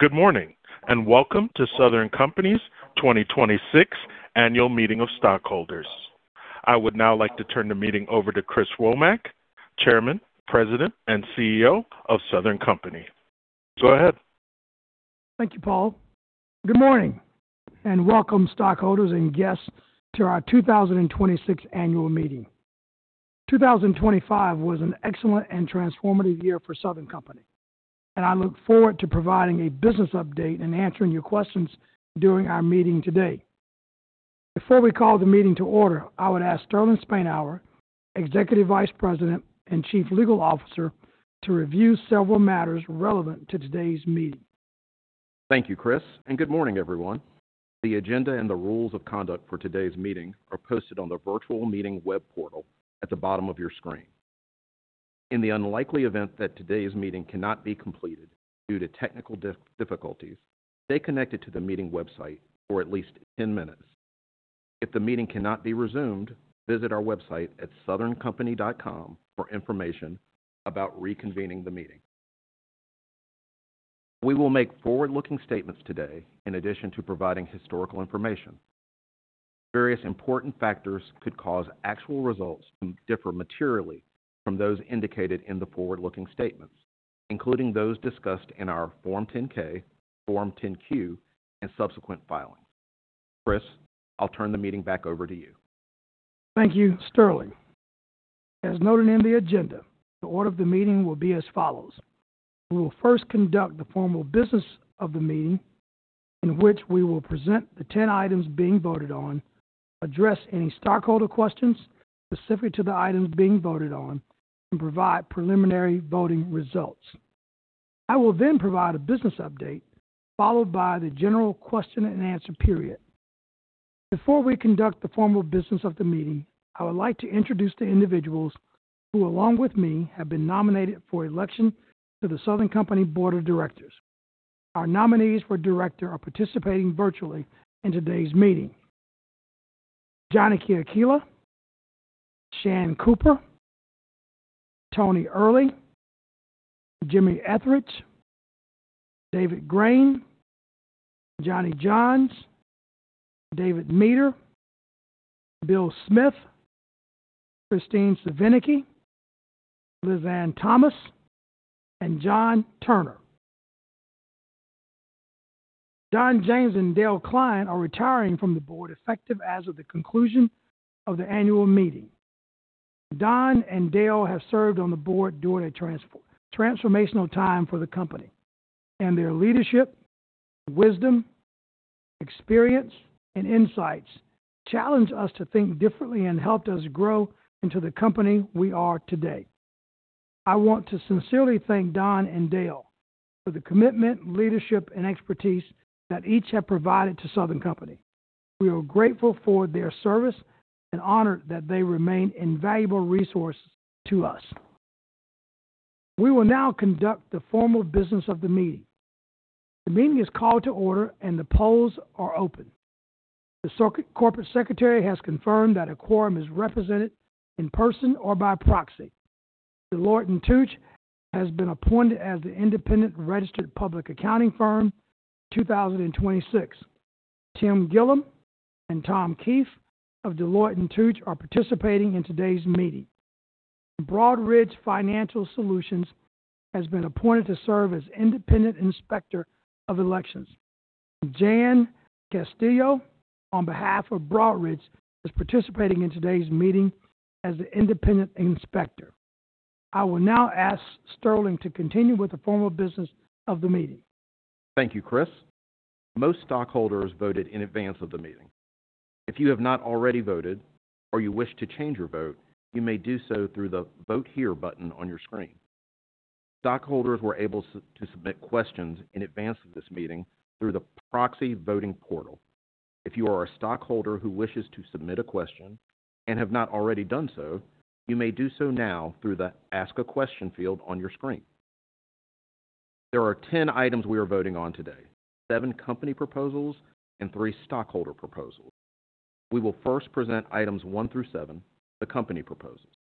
Good morning, and welcome to Southern Company's 2026 Annual Meeting of Stockholders. I would now like to turn the meeting over to Christopher Womack, Chairman, President, and CEO of Southern Company. Go ahead. Thank you, Paul. Good morning, welcome stockholders and guests to our 2026 Annual Meeting. 2025 was an excellent and transformative year for Southern Company. I look forward to providing a business update and answering your questions during our meeting today. Before we call the meeting to order, I would ask Sterling Spainhour, Executive Vice President and Chief Legal Officer, to review several matters relevant to today's meeting. Thank you, Chris, and good morning, everyone. The agenda and the rules of conduct for today's meeting are posted on the virtual meeting web portal at the bottom of your screen. In the unlikely event that today's meeting cannot be completed due to technical difficulties, stay connected to the meeting website for at least 10 minutes. If the meeting cannot be resumed, visit our website at southerncompany.com for information about reconvening the meeting. We will make forward-looking statements today in addition to providing historical information. Various important factors could cause actual results to differ materially from those indicated in the forward-looking statements, including those discussed in our Form 10-K, Form 10-Q, and subsequent filings. Chris, I'll turn the meeting back over to you. Thank you, Sterling. As noted in the agenda, the order of the meeting will be as follows: We will first conduct the formal business of the meeting, in which we will present the 10 items being voted on, address any stockholder questions specific to the items being voted on, and provide preliminary voting results. I will provide a business update followed by the general question and answer period. Before we conduct the formal business of the meeting, I would like to introduce the individuals who, along with me, have been nominated for election to The Southern Company Board of Directors. Our nominees for director are participating virtually in today's meeting. Janaki Akella, Shantella Cooper, Anthony Earley, James Etheredge, David Grain, John D. Johns, David Meador, William Smith, Jr., Kristine Svinicki, Lizanne Thomas, and John Turner. Don James and Dale Klein are retiring from the board effective as of the conclusion of the annual meeting. Don and Dale have served on the board during a transformational time for the company and their leadership, wisdom, experience, and insights challenged us to think differently and helped us grow into the company we are today. I want to sincerely thank Don and Dale for the commitment, leadership, and expertise that each have provided to Southern Company. We are grateful for their service and honored that they remain invaluable resources to us. We will now conduct the formal business of the meeting. The meeting is called to order, and the polls are open. The corporate secretary has confirmed that a quorum is represented in person or by proxy. Deloitte & Touche has been appointed as the independent registered public accounting firm 2026. Tim Gillam and Tom Keefe of Deloitte & Touche are participating in today's meeting. Broadridge Financial Solutions has been appointed to serve as independent inspector of elections. Jan Castillo, on behalf of Broadridge, is participating in today's meeting as the independent inspector. I will now ask Sterling to continue with the formal business of the meeting. Thank you, Chris. Most stockholders voted in advance of the meeting. If you have not already voted or you wish to change your vote, you may do so through the Vote Here button on your screen. Stockholders were able to submit questions in advance of this meeting through the proxy voting portal. If you are a stockholder who wishes to submit a question and have not already done so, you may do so now through the Ask a Question field on your screen. There are 10 items we are voting on today, seven company proposals and three stockholder proposals. We will first present items one through seven, the company proposals.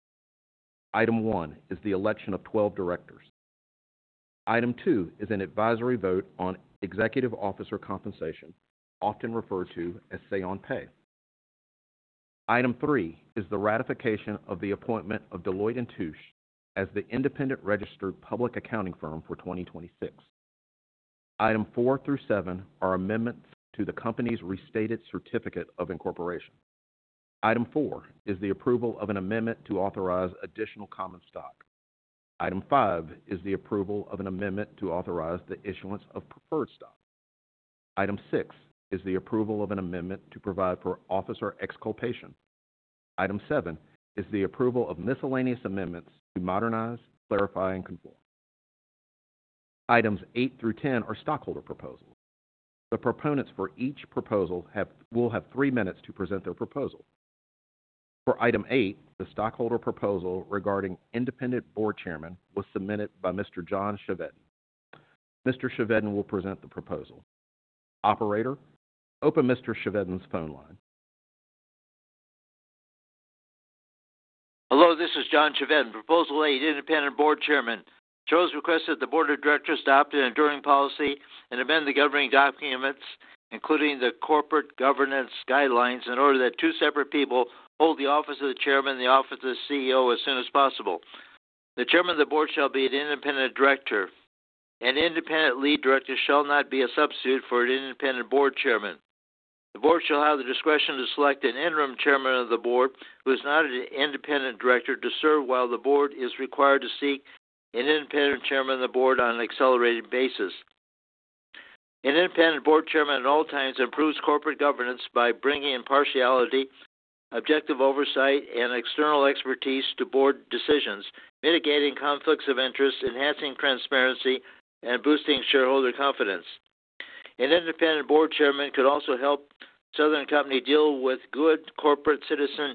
Item one is the election of 12 directors. Item two is an advisory vote on executive officer compensation, often referred to as say on pay. Item three is the ratification of the appointment of Deloitte & Touche as the independent registered public accounting firm for 2026. Item four through seven are amendments to the company's restated certificate of incorporation. Item four is the approval of an amendment to authorize additional common stock. Item five is the approval of an amendment to authorize the issuance of preferred stock. Item six is the approval of an amendment to provide for officer exculpation. Item seven is the approval of miscellaneous amendments to modernize, clarify, and conform. Items eight through 10 are stockholder proposals. The proponents for each proposal will have three minutes to present their proposal. For item eight, the stockholder proposal regarding independent board chairman was submitted by Mr. John Chevedden. Mr. Chevedden will present the proposal. Operator, open Mr. Chevedden's phone line. Hello, this is John Chevedden. Proposal eight independent board chairman. Joe's request that the board of directors adopt an enduring policy and amend the governing documents, including the corporate governance guidelines, in order that two separate people hold the office of the chairman and the office of CEO as soon as possible. The chairman of the board shall be an independent director. An independent lead director shall not be a substitute for an independent board chairman. The board shall have the discretion to select an interim chairman of the board who is not an independent director to serve while the board is required to seek an independent chairman of the board on an accelerated basis. An independent board chairman at all times improves corporate governance by bringing impartiality, objective oversight, and external expertise to board decisions, mitigating conflicts of interest, enhancing transparency, and boosting shareholder confidence. An independent board chairman could also help Southern Company deal with good corporate citizen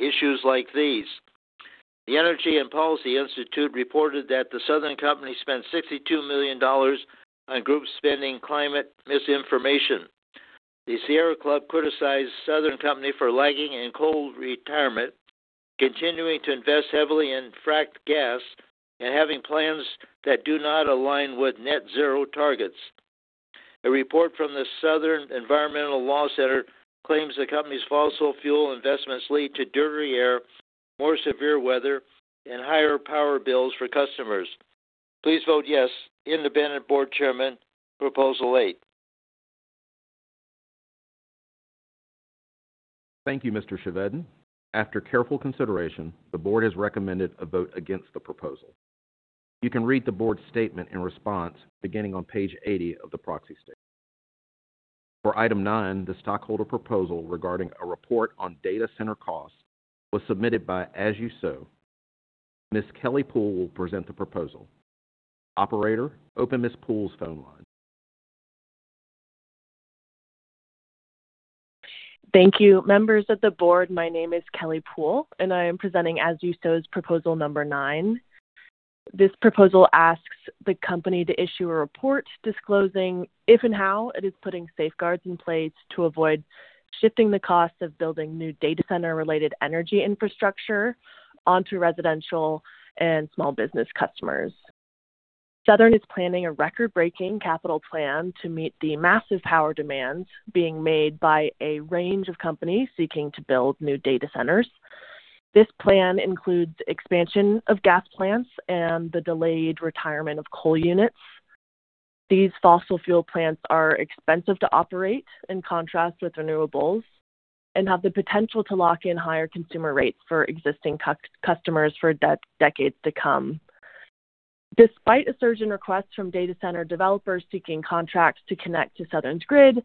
issues like these. The Energy and Policy Institute reported that the Southern Company spent $62 million on group spending climate misinformation. The Sierra Club criticized Southern Company for lagging in coal retirement, continuing to invest heavily in fracked gas, and having plans that do not align with net zero targets. A report from the Southern Environmental Law Center claims the company's fossil fuel investments lead to dirtier air, more severe weather, and higher power bills for customers. Please vote yes. Independent board chairman, proposal eight. Thank you, Mr. Chevedden. After careful consideration, the board has recommended a vote against the proposal. You can read the board's statement and response beginning on page 80 of the proxy statement. For item nine, the stockholder proposal regarding a report on data center costs was submitted by As You Sow. Ms. Kelly Poole will present the proposal. Operator, open Ms. Poole's phone line. Thank you, members of the board. My name is Kelly Poole. I am presenting As You Sow's proposal number nine. This proposal asks the company to issue a report disclosing if and how it is putting safeguards in place to avoid shifting the cost of building new data center related energy infrastructure onto residential and small business customers. Southern is planning a record-breaking capital plan to meet the massive power demands being made by a range of companies seeking to build new data centers. This plan includes expansion of gas plants and the delayed retirement of coal units. These fossil fuel plants are expensive to operate, in contrast with renewables, have the potential to lock in higher consumer rates for existing customers for decades to come. Despite a surge in requests from data center developers seeking contracts to connect to Southern's grid,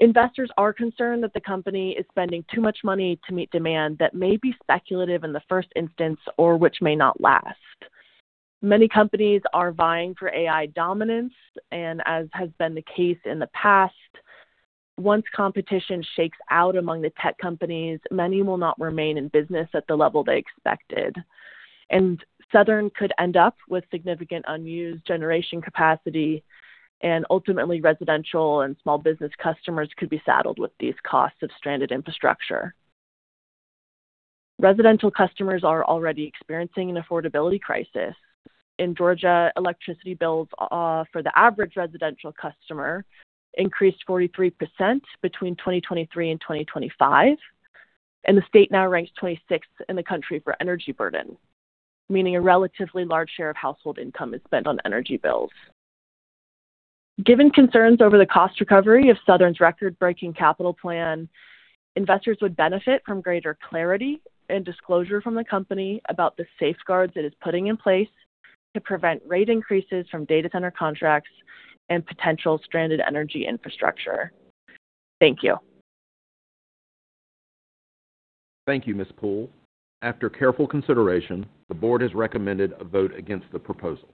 investors are concerned that the company is spending too much money to meet demand that may be speculative in the first instance or which may not last. As has been the case in the past, once competition shakes out among the tech companies, many will not remain in business at the level they expected. Southern could end up with significant unused generation capacity, and ultimately, residential and small business customers could be saddled with these costs of stranded infrastructure. Residential customers are already experiencing an affordability crisis. In Georgia, electricity bills, for the average residential customer increased 43% between 2023 and 2025, and the state now ranks 26th in the country for energy burden, meaning a relatively large share of household income is spent on energy bills. Given concerns over the cost recovery of Southern's record-breaking capital plan, investors would benefit from greater clarity and disclosure from the company about the safeguards it is putting in place to prevent rate increases from data center contracts and potential stranded energy infrastructure. Thank you. Thank you, Ms. Poole. After careful consideration, the board has recommended a vote against the proposal.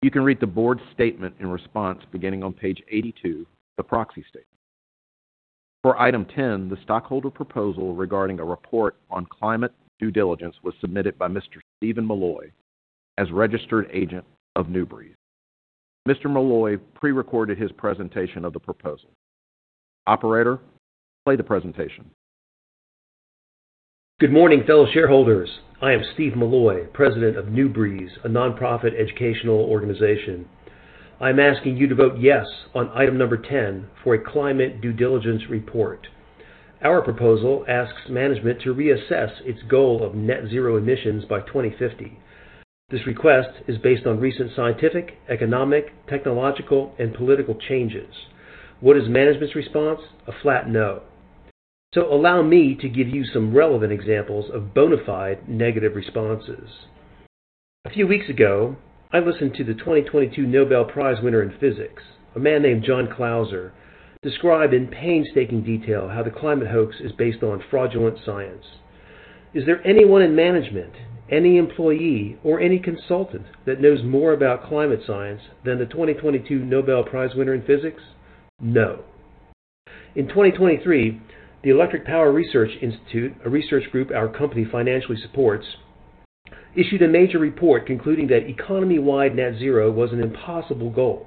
You can read the board's statement and response beginning on page 82 of the proxy statement. For item 10, the stockholder proposal regarding a report on climate due diligence was submitted by Mr. Steve Milloy as registered agent of New Breeze. Mr. Milloy pre-recorded his presentation of the proposal. Operator, play the presentation. Good morning, fellow shareholders. I am Steve Milloy, president of New Breeze, a nonprofit educational organization. I'm asking you to vote yes on item number 10 for a climate due diligence report. Our proposal asks management to reassess its goal of net zero emissions by 2050. This request is based on recent scientific, economic, technological, and political changes. What is management's response? A flat no. Allow me to give you some relevant examples of bona fide negative responses. A few weeks ago, I listened to the 2022 Nobel Prize winner in physics, a man named John Clauser, describe in painstaking detail how the climate hoax is based on fraudulent science. Is there anyone in management, any employee, or any consultant that knows more about climate science than the 2022 Nobel Prize winner in physics? No. In 2023, the Electric Power Research Institute, a research group our company financially supports issued a major report concluding that economy-wide net zero was an impossible goal.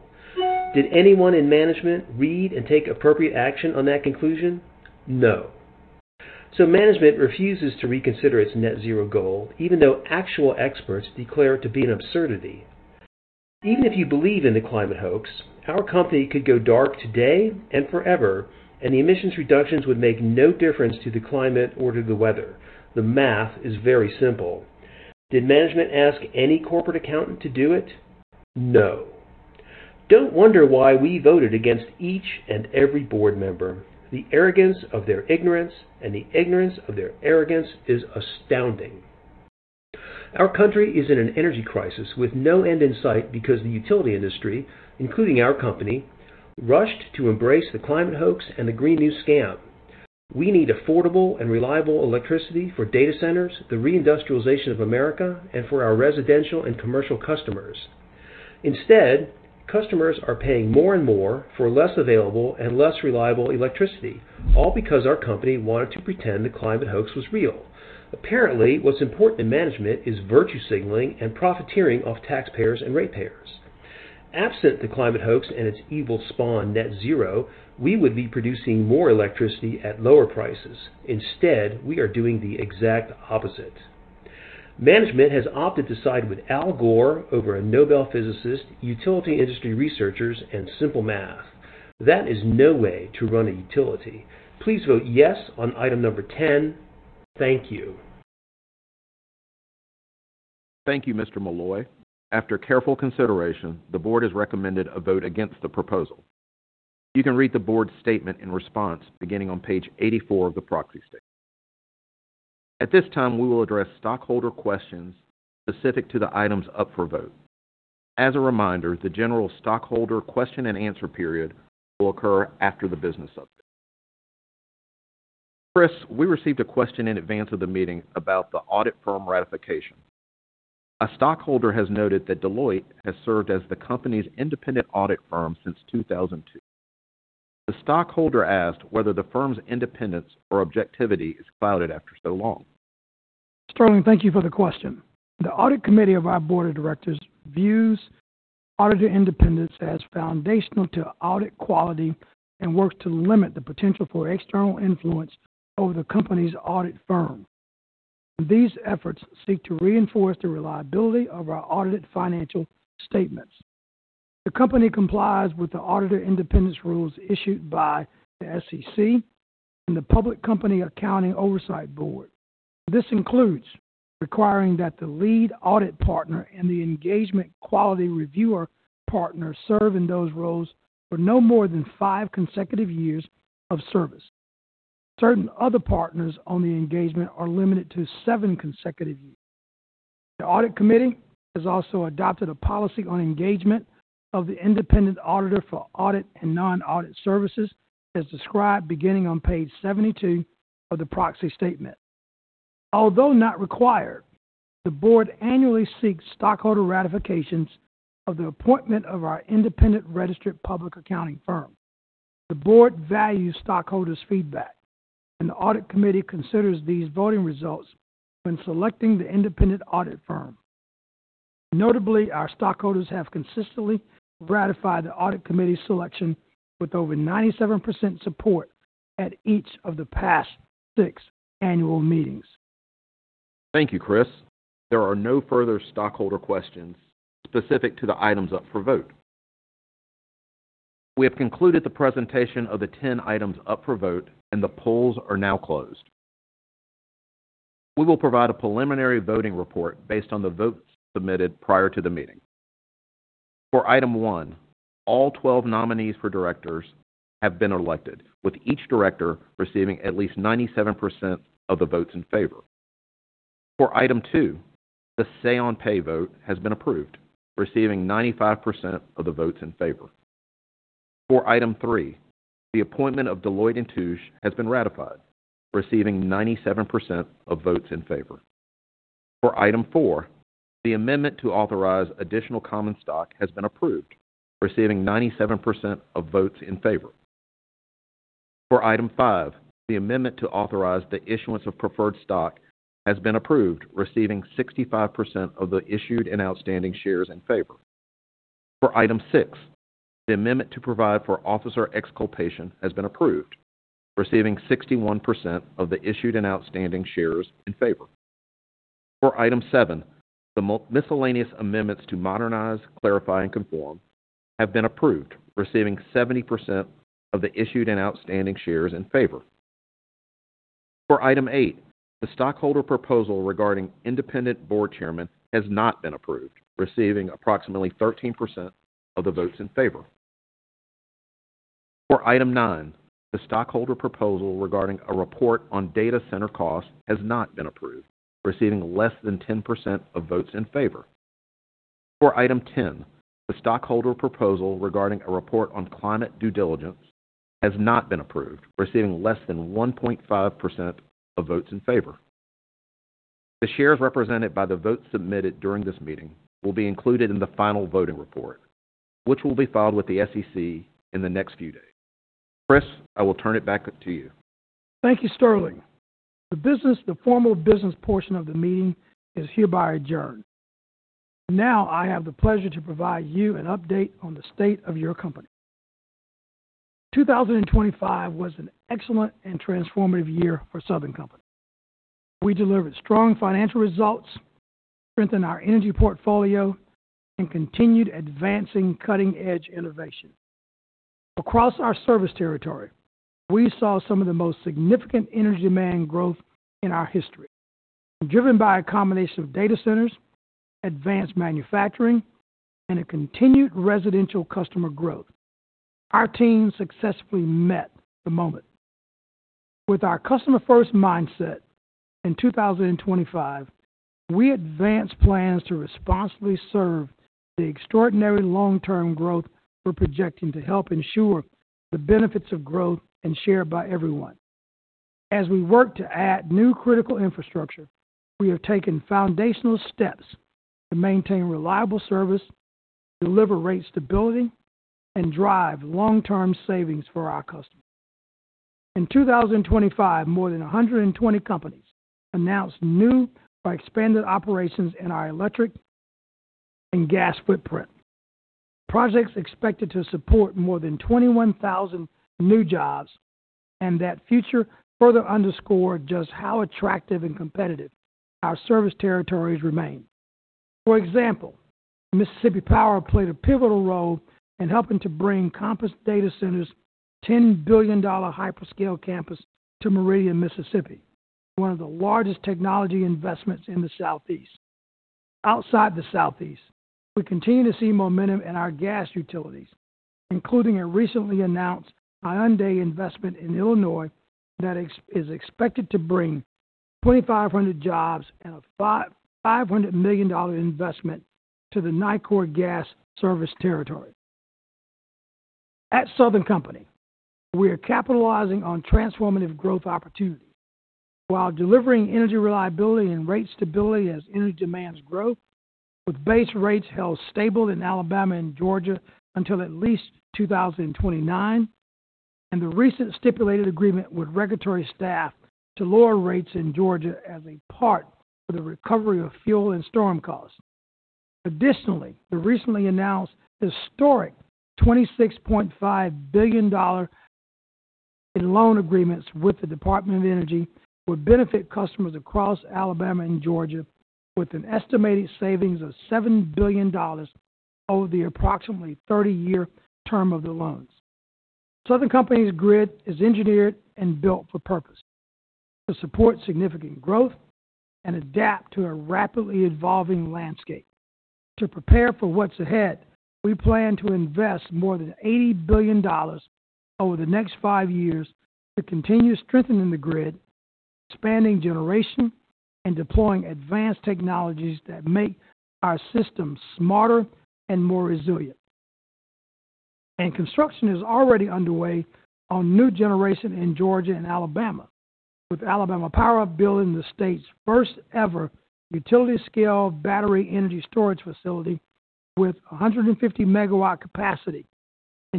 Did anyone in management read and take appropriate action on that conclusion? No. Management refuses to reconsider its net zero goal, even though actual experts declare it to be an absurdity. Even if you believe in the climate hoax, our company could go dark today and forever, and the emissions reductions would make no difference to the climate or to the weather. The math is very simple. Did management ask any corporate accountant to do it? No. Don't wonder why we voted against each and every board member. The arrogance of their ignorance and the ignorance of their arrogance is astounding. Our country is in an energy crisis with no end in sight because the utility industry, including our company, rushed to embrace the climate hoax and the green new scam. We need affordable and reliable electricity for data centers, the reindustrialization of America, and for our residential and commercial customers. Instead, customers are paying more and more for less available and less reliable electricity, all because our company wanted to pretend the climate hoax was real. Apparently, what's important to management is virtue signaling and profiteering off taxpayers and ratepayers. Absent the climate hoax and its evil spawn net zero, we would be producing more electricity at lower prices. We are doing the exact opposite. Management has opted to side with Al Gore over a Nobel physicist, utility industry researchers, and simple math. That is no way to run a utility. Please vote yes on item number 10. Thank you. Thank you, Mr. Milloy. After careful consideration, the board has recommended a vote against the proposal. You can read the board's statement in response beginning on page 84 of the proxy statement. At this time, we will address stockholder questions specific to the items up for vote. As a reminder, the general stockholder question and answer period will occur after the business update. Chris, we received a question in advance of the meeting about the audit firm ratification. A stockholder has noted that Deloitte has served as the company's independent audit firm since 2002. The stockholder asked whether the firm's independence or objectivity is clouded after so long. Sterling, thank you for the question. The audit committee of our board of directors views auditor independence as foundational to audit quality and works to limit the potential for external influence over the company's audit firm. These efforts seek to reinforce the reliability of our audited financial statements. The company complies with the auditor independence rules issued by the SEC and the Public Company Accounting Oversight Board. This includes requiring that the lead audit partner and the engagement quality reviewer partner serve in those roles for no more than five consecutive years of service. Certain other partners on the engagement are limited to seven consecutive years. The audit committee has also adopted a policy on engagement of the independent auditor for audit and non-audit services, as described beginning on page 72 of the Proxy Statement. Although not required, the board annually seeks stockholder ratifications of the appointment of our independent registered public accounting firm. The board values stockholders' feedback, and the Audit Committee considers these voting results when selecting the independent audit firm. Notably, our stockholders have consistently ratified the Audit Committee's selection with over 97% support at each of the past six annual meetings. Thank you, Chris. There are no further stockholder questions specific to the items up for vote. We have concluded the presentation of the 10 items up for vote. The polls are now closed. We will provide a preliminary voting report based on the votes submitted prior to the meeting. For item one, all 12 nominees for directors have been elected, with each director receiving at least 97% of the votes in favor. For item two, the say on pay vote has been approved, receiving 95% of the votes in favor. For item three, the appointment of Deloitte & Touche has been ratified, receiving 97% of votes in favor. For item four, the amendment to authorize additional common stock has been approved, receiving 97% of votes in favor. For item five, the amendment to authorize the issuance of preferred stock has been approved, receiving 65% of the issued and outstanding shares in favor. For item six, the amendment to provide for officer exculpation has been approved, receiving 61% of the issued and outstanding shares in favor. For item seven, the miscellaneous amendments to modernize, clarify, and conform have been approved, receiving 70% of the issued and outstanding shares in favor. For item eight, the stockholder proposal regarding independent board chairman has not been approved, receiving approximately 13% of the votes in favor. For item nine, the stockholder proposal regarding a report on data center costs has not been approved, receiving less than 10% of votes in favor. For item 10, the stockholder proposal regarding a report on climate due diligence has not been approved, receiving less than 1.5% of votes in favor. The shares represented by the votes submitted during this meeting will be included in the final voting report, which will be filed with the SEC in the next few days. Chris, I will turn it back to you. Thank you, Sterling. The business, the formal business portion of the meeting is hereby adjourned. Now I have the pleasure to provide you an update on the state of your company. 2025 was an excellent and transformative year for Southern Company. We delivered strong financial results, strengthened our energy portfolio, and continued advancing cutting-edge innovation. Across our service territory, we saw some of the most significant energy demand growth in our history, driven by a combination of data centers, advanced manufacturing, and a continued residential customer growth. Our team successfully met the moment. With our customer-first mindset, in 2025, we advanced plans to responsibly serve the extraordinary long-term growth we're projecting to help ensure the benefits of growth and share by everyone. As we work to add new critical infrastructure, we have taken foundational steps to maintain reliable service, deliver rate stability, and drive long-term savings for our customers. In 2025, more than 120 companies announced new or expanded operations in our electric and gas footprint. Projects expected to support more than 21,000 new jobs, that future further underscore just how attractive and competitive our service territories remain. For example, Mississippi Power played a pivotal role in helping to bring Compass Datacenters' $10 billion hyperscale campus to Meridian, Mississippi, one of the largest technology investments in the Southeast. Outside the Southeast, we continue to see momentum in our gas utilities, including a recently announced Hyundai investment in Illinois that is expected to bring 2,500 jobs and a $500 million investment to the Nicor Gas service territory. At Southern Company, we are capitalizing on transformative growth opportunities while delivering energy reliability and rate stability as energy demands grow, with base rates held stable in Alabama and Georgia until at least 2029, and the recent stipulated agreement with regulatory staff to lower rates in Georgia as a part for the recovery of fuel and storm costs. Additionally, the recently announced historic $26.5 billion in loan agreements with the Department of Energy would benefit customers across Alabama and Georgia with an estimated savings of $7 billion over the approximately 30-year term of the loans. Southern Company's grid is engineered and built for purpose, to support significant growth and adapt to a rapidly evolving landscape. To prepare for what's ahead, we plan to invest more than $80 billion over the next five years to continue strengthening the grid, expanding generation, and deploying advanced technologies that make our systems smarter and more resilient. Construction is already underway on new generation in Georgia and Alabama, with Alabama Power building the state's first-ever utility-scale battery energy storage facility with a 150 MW capacity.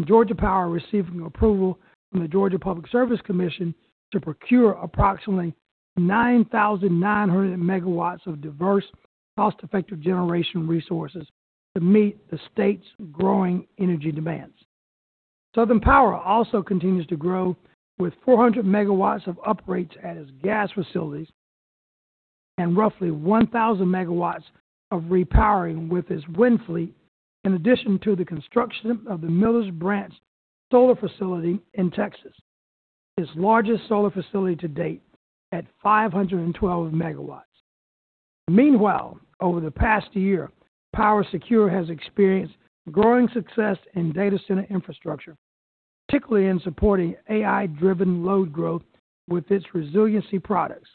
Georgia Power receiving approval from the Georgia Public Service Commission to procure approximately 9,900 MW of diverse, cost-effective generation resources to meet the state's growing energy demands. Southern Power also continues to grow with 400 MW of uprates at its gas facilities and roughly 1,000 MW of repowering with its wind fleet, in addition to the construction of the Millers Branch solar facility in Texas, its largest solar facility to date at 512 megawatts. Meanwhile, over the past year, PowerSecure has experienced growing success in data center infrastructure, particularly in supporting AI-driven load growth with its resiliency products.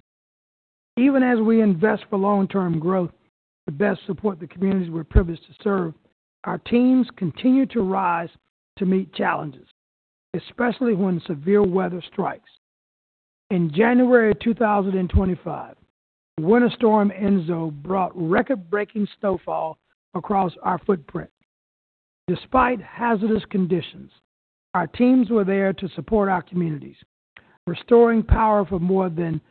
Even as we invest for long-term growth to best support the communities we're privileged to serve, our teams continue to rise to meet challenges, especially when severe weather strikes. In January 2025, Winter Storm Enzo brought record-breaking snowfall across our footprint. Despite hazardous conditions, our teams were there to support our communities, restoring power for more than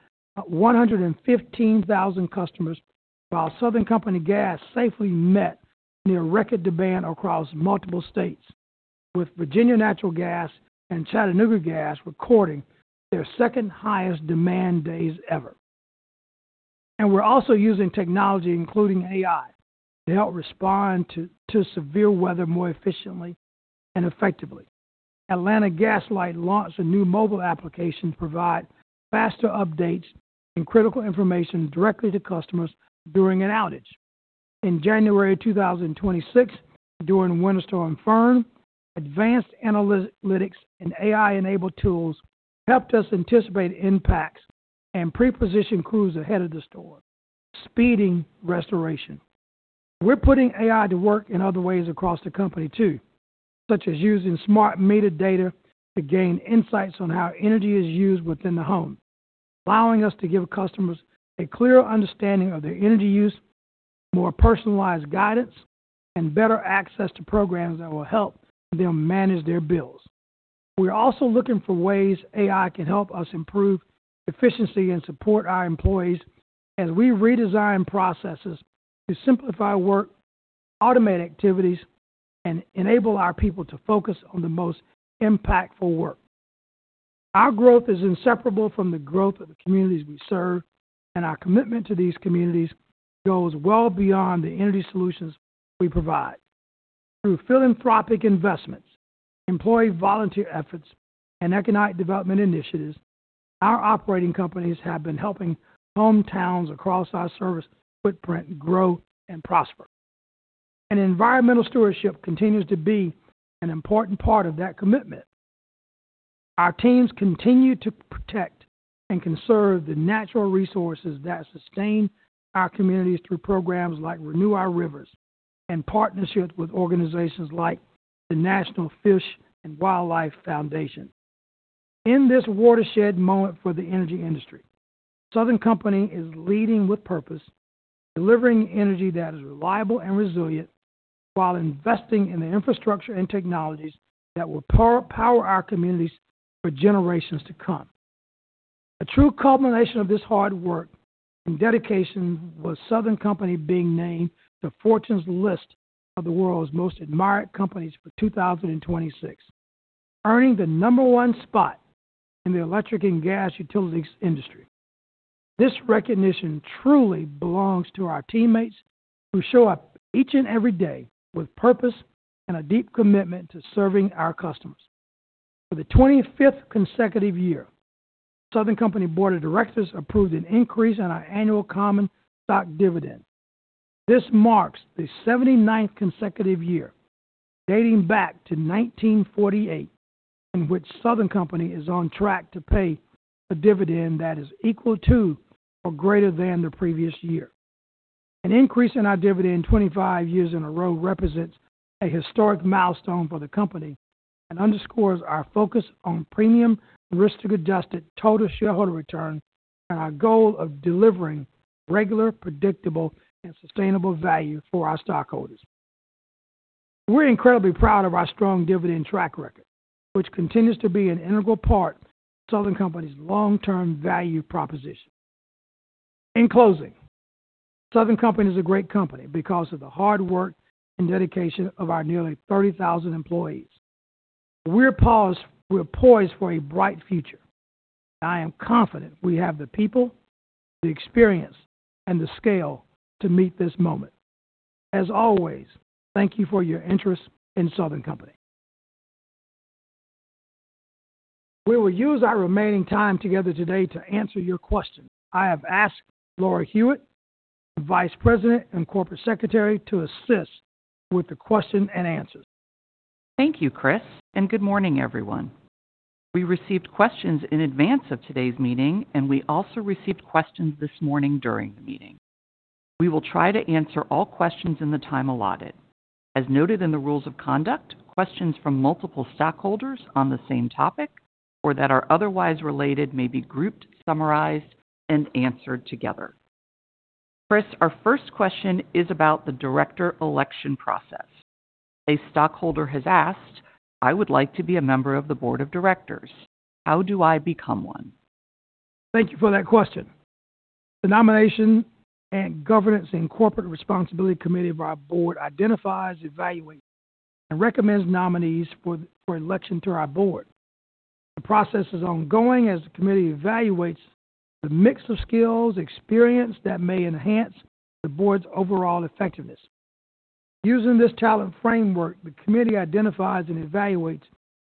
115,000 customers, while Southern Company Gas safely met near record demand across multiple states, with Virginia Natural Gas and Chattanooga Gas recording their second highest demand days ever. We're also using technology, including AI, to help respond to severe weather more efficiently and effectively. Atlanta Gas Light launched a new mobile application to provide faster updates and critical information directly to customers during an outage. In January 2026, during Winter Storm Fern, advanced analytics and AI-enabled tools helped us anticipate impacts and pre-position crews ahead of the storm, speeding restoration. We're putting AI to work in other ways across the company too, such as using smart meter data to gain insights on how energy is used within the home, allowing us to give customers a clearer understanding of their energy use, more personalized guidance and better access to programs that will help them manage their bills. We're also looking for ways AI can help us improve efficiency and support our employees as we redesign processes to simplify work, automate activities, and enable our people to focus on the most impactful work. Our growth is inseparable from the growth of the communities we serve. Our commitment to these communities goes well beyond the energy solutions we provide. Through philanthropic investments, employee volunteer efforts, and economic development initiatives, our operating companies have been helping hometowns across our service footprint grow and prosper. Environmental stewardship continues to be an important part of that commitment. Our teams continue to protect and conserve the natural resources that sustain our communities through programs like Renew Our Rivers and partnerships with organizations like the National Fish and Wildlife Foundation. In this watershed moment for the energy industry, Southern Company is leading with purpose, delivering energy that is reliable and resilient while investing in the infrastructure and technologies that will power our communities for generations to come. A true culmination of this hard work and dedication was Southern Company being named to Fortune's list of the World's Most Admired Companies for 2026, earning the number one spot in the electric and gas utilities industry. This recognition truly belongs to our teammates who show up each and every day with purpose and a deep commitment to serving our customers. For the 25th consecutive year, Southern Company Board of Directors approved an increase in our annual common stock dividend. This marks the 79th consecutive year, dating back to 1948, in which Southern Company is on track to pay a dividend that is equal to or greater than the previous year. An increase in our dividend 25 years in a row represents a historic milestone for the company and underscores our focus on premium, risk-adjusted total shareholder return and our goal of delivering regular, predictable, and sustainable value for our stockholders. We're incredibly proud of our strong dividend track record, which continues to be an integral part of Southern Company's long-term value proposition. In closing, Southern Company is a great company because of the hard work and dedication of our nearly 30,000 employees. We're poised for a bright future. I am confident we have the people, the experience, and the scale to meet this moment. As always, thank you for your interest in The Southern Company. We will use our remaining time together today to answer your questions. I have asked Laura Hewett, the Vice President, Corporate Governance and Corporate Secretary, to assist with the question and answers. Thank you, Chris, and good morning, everyone. We received questions in advance of today's meeting, and we also received questions this morning during the meeting. We will try to answer all questions in the time allotted. As noted in the rules of conduct, questions from multiple stockholders on the same topic or that are otherwise related may be grouped, summarized, and answered together. Chris, our first question is about the director election process. A stockholder has asked, "I would like to be a member of the board of directors. How do I become one? Thank you for that question. The Nominating, Governance and Corporate Responsibility Committee of our board identifies, evaluates, and recommends nominees for election to our board. The process is ongoing as the committee evaluates the mix of skills, experience that may enhance the board's overall effectiveness. Using this talent framework, the committee identifies and evaluates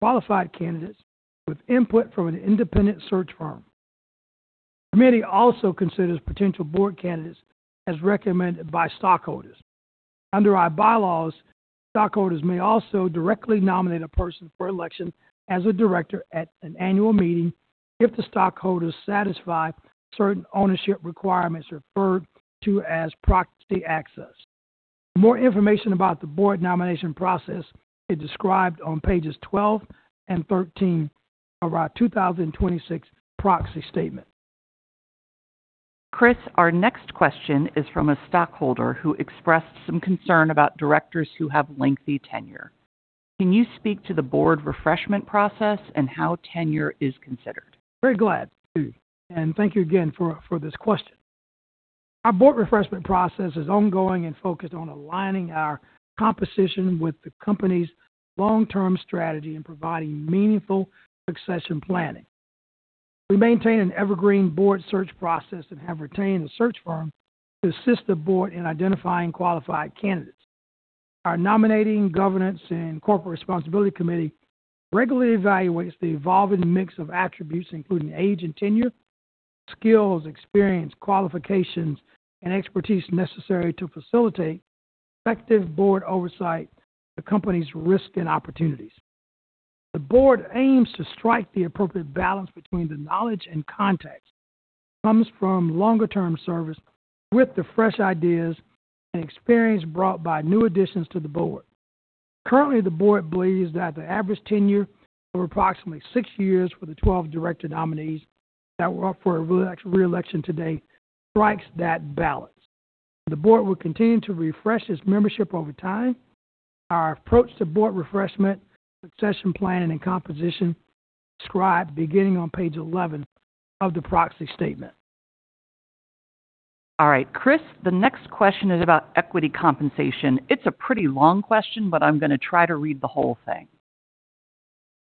qualified candidates with input from an independent search firm. The committee also considers potential board candidates as recommended by stockholders. Under our bylaws, stockholders may also directly nominate a person for election as a director at an annual meeting if the stockholders satisfy certain ownership requirements referred to as proxy access. More information about the board nomination process is described on pages 12 and 13 of our 2026 proxy statement. Chris, our next question is from a stockholder who expressed some concern about directors who have lengthy tenure. Can you speak to the board refreshment process and how tenure is considered? Very glad to, thank you again for this question. Our board refreshment process is ongoing and focused on aligning our composition with the company's long-term strategy and providing meaningful succession planning. We maintain an evergreen board search process and have retained a search firm to assist the board in identifying qualified candidates. Our Nominating, Governance, and Corporate Responsibility Committee regularly evaluates the evolving mix of attributes, including age and tenure, skills, experience, qualifications, and expertise necessary to facilitate effective board oversight of the company's risk and opportunities. The board aims to strike the appropriate balance between the knowledge and context that comes from longer-term service with the fresh ideas and experience brought by new additions to the board. Currently, the board believes that the average tenure over approximately six years for the 12 director nominees that were up for reelection today strikes that balance. The board will continue to refresh its membership over time. Our approach to board refreshment, succession planning, and composition is described beginning on page 11 of the proxy statement. All right, Chris, the next question is about equity compensation. It's a pretty long question, I'm gonna try to read the whole thing.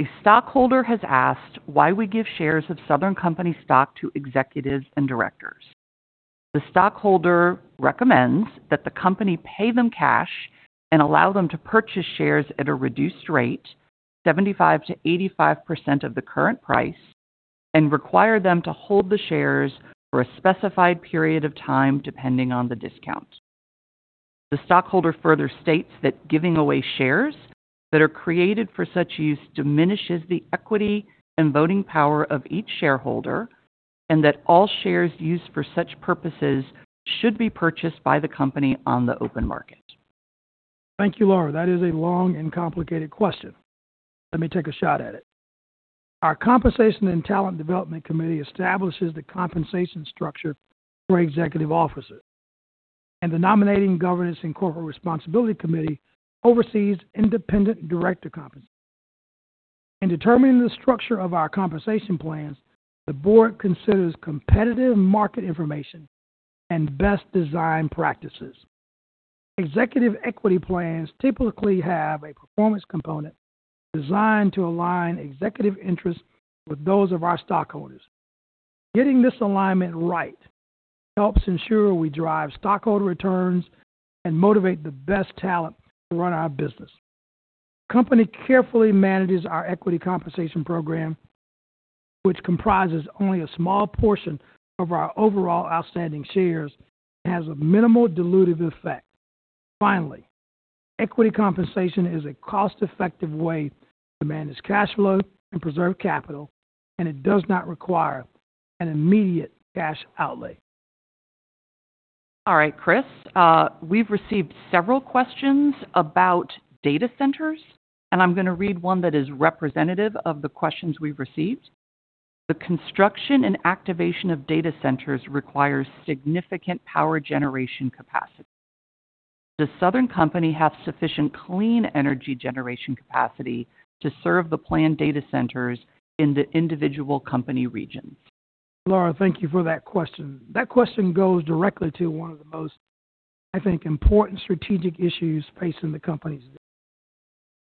A stockholder has asked why we give shares of Southern Company stock to executives and directors. The stockholder recommends that the company pay them cash and allow them to purchase shares at a reduced rate, 75%-85% of the current price, and require them to hold the shares for a specified period of time, depending on the discount. The stockholder further states that giving away shares that are created for such use diminishes the equity and voting power of each shareholder and that all shares used for such purposes should be purchased by the company on the open market. Thank you, Laura. That is a long and complicated question. Let me take a shot at it. Our Compensation and Talent Development Committee establishes the compensation structure for executive officers, and the Nominating, Governance and Corporate Responsibility Committee oversees independent director compensation. In determining the structure of our compensation plans, the board considers competitive market information and best design practices. Executive equity plans typically have a performance component designed to align executive interests with those of our stockholders. Getting this alignment right helps ensure we drive stockholder returns and motivate the best talent to run our business. The company carefully manages our equity compensation program, which comprises only a small portion of our overall outstanding shares and has a minimal dilutive effect. Finally, equity compensation is a cost-effective way to manage cash flow and preserve capital, and it does not require an immediate cash outlay. All right, Chris, we've received several questions about data centers, and I'm gonna read one that is representative of the questions we've received. The construction and activation of data centers requires significant power generation capacity. Does Southern Company have sufficient clean energy generation capacity to serve the planned data centers in the individual company regions? Laura, thank you for that question. That question goes directly to one of the most, I think, important strategic issues facing the company today.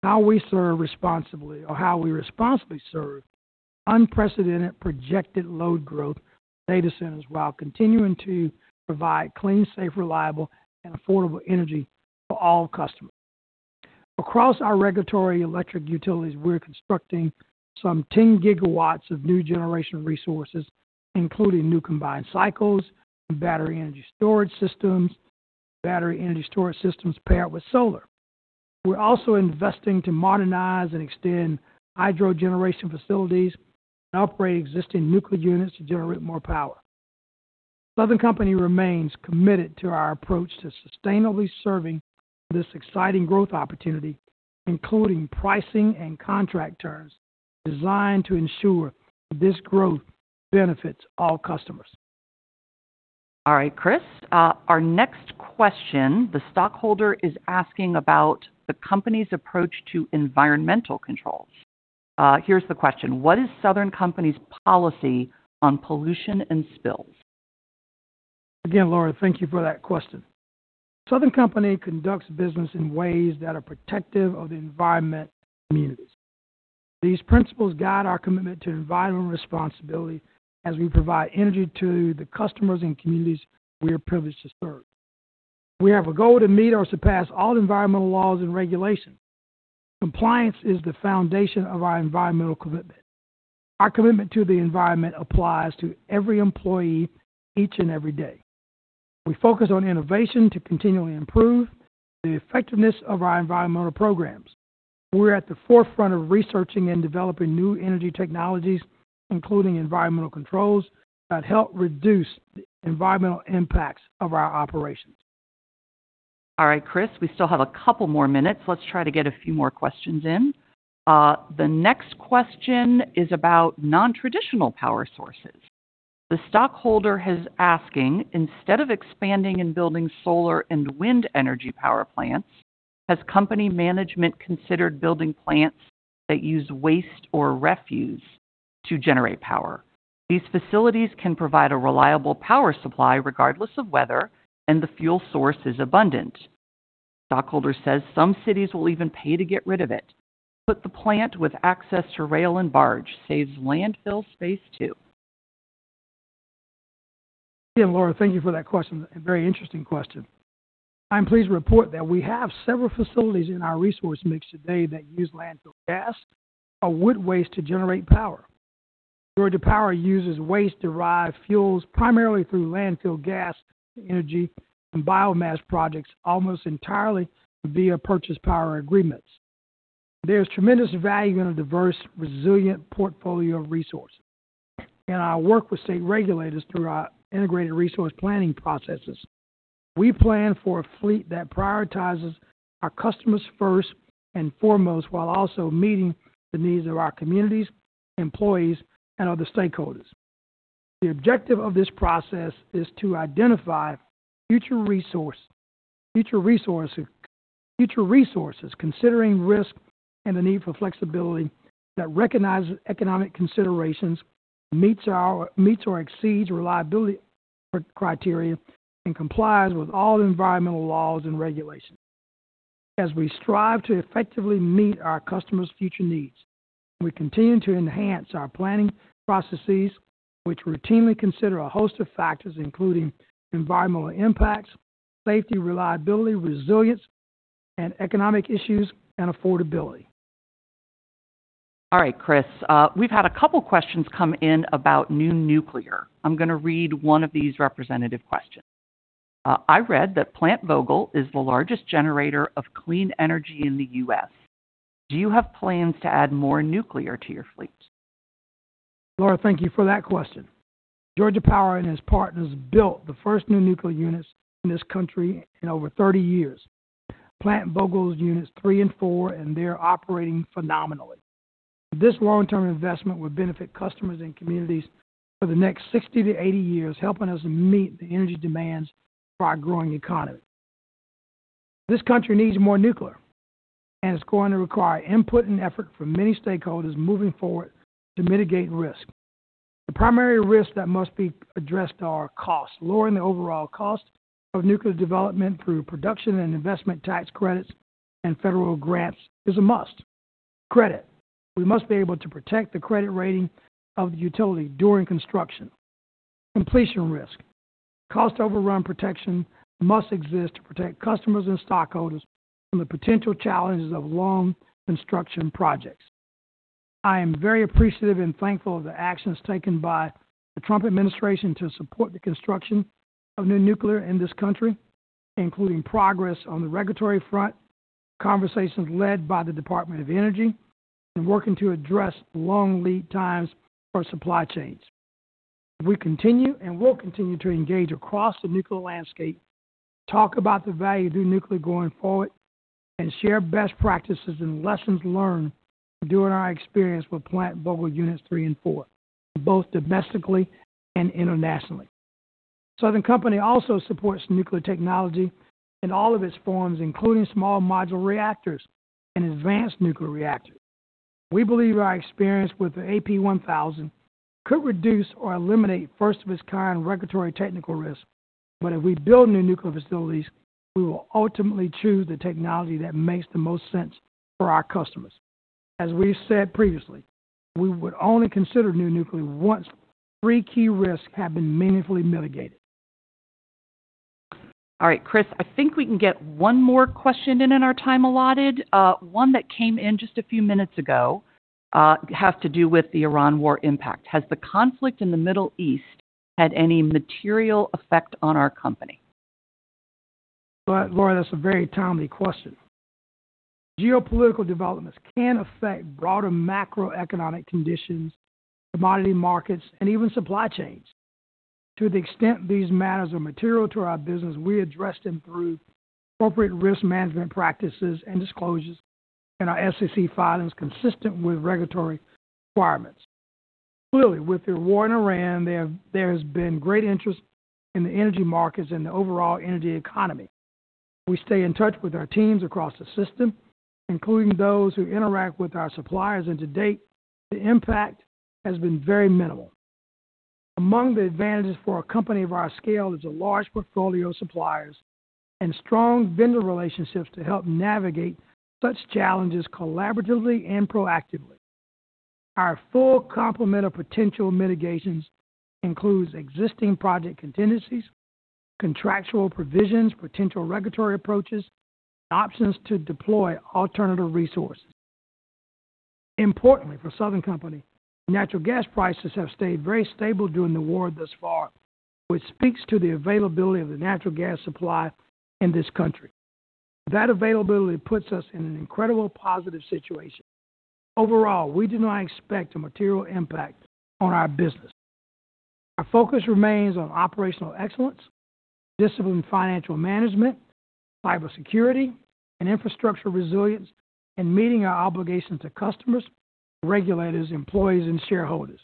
How we serve responsibly or how we responsibly serve unprecedented projected load growth for data centers while continuing to provide clean, safe, reliable, and affordable energy for all customers. Across our regulatory electric utilities, we're constructing some 10 GW of new generation resources, including new combined cycles and battery energy storage systems paired with solar. We're also investing to modernize and extend hydro generation facilities and upgrade existing nuclear units to generate more power. Southern Company remains committed to our approach to sustainably serving this exciting growth opportunity, including pricing and contract terms designed to ensure that this growth benefits all customers. All right, Chris. Our next question, the stockholder is asking about the company's approach to environmental controls. Here's the question: What is Southern Company's policy on pollution and spills? Again, Laura, thank you for that question. Southern Company conducts business in ways that are protective of the environment and communities. These principles guide our commitment to environmental responsibility as we provide energy to the customers and communities we are privileged to serve. We have a goal to meet or surpass all environmental laws and regulations. Compliance is the foundation of our environmental commitment. Our commitment to the environment applies to every employee each and every day. We focus on innovation to continually improve the effectiveness of our environmental programs. We're at the forefront of researching and developing new energy technologies, including environmental controls that help reduce the environmental impacts of our operations. All right, Chris, we still have a couple more minutes. Let's try to get a few more questions in. The next question is about non-traditional power sources. The stockholder is asking, instead of expanding and building solar and wind energy power plants, has company management considered building plants that use waste or refuse to generate power? These facilities can provide a reliable power supply regardless of weather, and the fuel source is abundant. Stockholder says some cities will even pay to get rid of it, but the plant with access to rail and barge saves landfill space too. Again, Laura, thank you for that question. A very interesting question. I'm pleased to report that we have several facilities in our resource mix today that use landfill gas or wood waste to generate power. Georgia Power uses waste-derived fuels primarily through landfill gas energy and biomass projects almost entirely via purchase power agreements. There's tremendous value in a diverse, resilient portfolio of resources. In our work with state regulators through our Integrated Resource Planning processes, we plan for a fleet that prioritizes our customers first and foremost, while also meeting the needs of our communities, employees, and other stakeholders. The objective of this process is to identify future resources, considering risk and the need for flexibility that recognizes economic considerations, meets or exceeds reliability criteria, and complies with all environmental laws and regulations. As we strive to effectively meet our customers' future needs, we continue to enhance our planning processes, which routinely consider a host of factors, including environmental impacts, safety, reliability, resilience, and economic issues and affordability. All right, Chris, we've had a couple questions come in about new nuclear. I'm going to read one of these representative questions. I read that Plant Vogtle is the largest generator of clean energy in the US Do you have plans to add more nuclear to your fleet? Laura, thank you for that question. Georgia Power and its partners built the first new nuclear units in this country in over 30 years, Plant Vogtle's units 3 and 4, and they're operating phenomenally. This long-term investment will benefit customers and communities for the next 60-80 years, helping us meet the energy demands for our growing economy. This country needs more nuclear, and it's going to require input and effort from many stakeholders moving forward to mitigate risk. The primary risks that must be addressed are cost. Lowering the overall cost of nuclear development through production and investment tax credits and federal grants is a must. Credit. We must be able to protect the credit rating of the utility during construction. Completion risk. Cost overrun protection must exist to protect customers and stockholders from the potential challenges of long construction projects. I am very appreciative and thankful of the actions taken by the Trump administration to support the construction of new nuclear in this country, including progress on the regulatory front, conversations led by the Department of Energy, and working to address long lead times for supply chains. We continue and will continue to engage across the nuclear landscape, talk about the value of new nuclear going forward, and share best practices and lessons learned during our experience with Plant Vogtle units three and four, both domestically and internationally. Southern Company also supports nuclear technology in all of its forms, including small modular reactors and advanced nuclear reactors. We believe our experience with the AP1000 could reduce or eliminate first of its kind regulatory technical risk. If we build new nuclear facilities, we will ultimately choose the technology that makes the most sense for our customers. As we said previously, we would only consider new nuclear once 3 key risks have been meaningfully mitigated. All right, Chris, I think we can get one more question in in our time allotted. One that came in just a few minutes ago has to do with the Iran war impact. Has the conflict in the Middle East had any material effect on our company? Laura, that's a very timely question. Geopolitical developments can affect broader macroeconomic conditions, commodity markets, and even supply chains. To the extent these matters are material to our business, we address them through corporate risk management practices and disclosures in our SEC filings consistent with regulatory requirements. With the war in Iran, there has been great interest in the energy markets and the overall energy economy. We stay in touch with our teams across the system, including those who interact with our suppliers. To date, the impact has been very minimal. Among the advantages for a company of our scale is a large portfolio of suppliers and strong vendor relationships to help navigate such challenges collaboratively and proactively. Our full complement of potential mitigations includes existing project contingencies, contractual provisions, potential regulatory approaches, and options to deploy alternative resources. Importantly for Southern Company, natural gas prices have stayed very stable during the war thus far, which speaks to the availability of the natural gas supply in this country. That availability puts us in an incredibly positive situation. Overall, we do not expect a material impact on our business. Our focus remains on operational excellence, disciplined financial management, cybersecurity and infrastructure resilience, and meeting our obligations to customers, regulators, employees, and shareholders.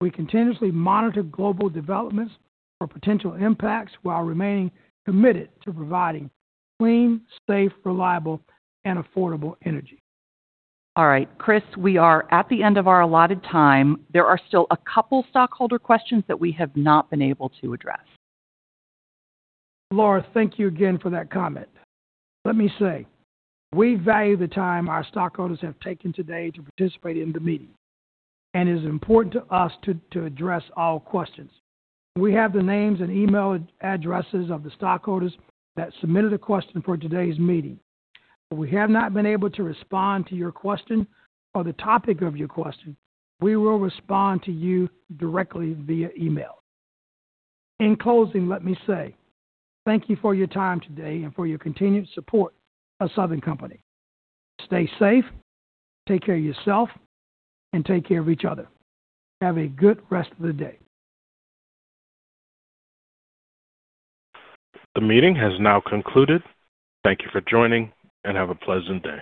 We continuously monitor global developments for potential impacts while remaining committed to providing clean, safe, reliable, and affordable energy. All right, Chris, we are at the end of our allotted time. There are still a couple stockholder questions that we have not been able to address. Laura, thank you again for that comment. Let me say, we value the time our stockholders have taken today to participate in the meeting, and it is important to us to address all questions. We have the names and email addresses of the stockholders that submitted a question for today's meeting. If we have not been able to respond to your question or the topic of your question, we will respond to you directly via email. In closing, let me say thank you for your time today and for your continued support of Southern Company. Stay safe, take care of yourself, and take care of each other. Have a good rest of the day. The meeting has now concluded. Thank you for joining, and have a pleasant day.